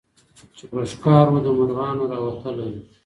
چي په ښکار و د مرغانو راوتلی